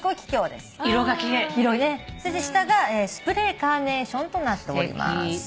そして下がスプレーカーネーションとなっております。